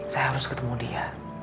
saya harus ketemu dia